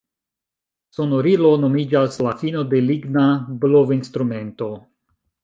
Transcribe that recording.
Sonorilo nomiĝas la fino de ligna blovinstrumento.